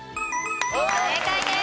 正解です。